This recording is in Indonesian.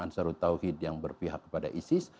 ansarut tauhid yang berpihak kepada isis